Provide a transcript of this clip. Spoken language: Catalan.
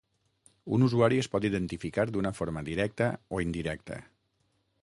Un usuari es pot identificar d'una forma directa o indirecta.